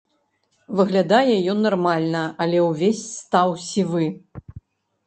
Выглядае ён нармальна, але ўвесь стаў сівы.